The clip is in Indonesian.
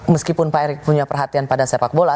meskipun pak erick punya perhatian pada sepak bola